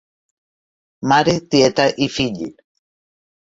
Mare, tieta i fill.